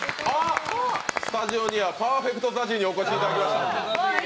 スタジオにはパーフェクトＺＡＺＹにお越しいただきました。